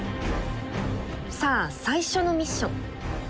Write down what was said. さあ最初のミッション。